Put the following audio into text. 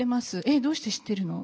「えっどうして知ってるの？」